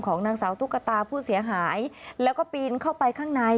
นางสาวตุ๊กตาผู้เสียหายแล้วก็ปีนเข้าไปข้างใน